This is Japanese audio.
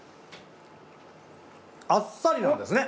あっさりなんですね。